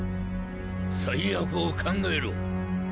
最悪を考えろ。